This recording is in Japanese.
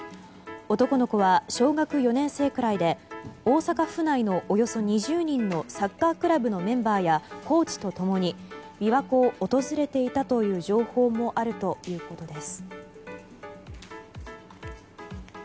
男の子は小学４年生くらいで大阪府内のおよそ２０人のサッカークラブのメンバーやコーチと共に琵琶湖を訪れていたという情報もあるということです。